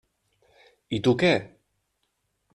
I tu què?